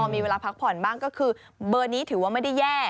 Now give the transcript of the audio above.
มีเวลาพักผ่อนบ้างก็คือเบอร์นี้ถือว่าไม่ได้แย่